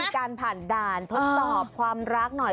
ต้องมีการผ่านด่านทดตอบความรักหน่อย